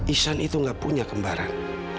isan itu nggak punya kembaran